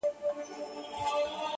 پوهېږم نه; يو داسې بله هم سته;